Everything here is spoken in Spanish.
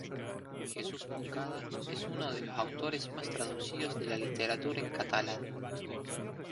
Jesús Moncada es uno de los autores más traducidos de la literatura en catalán.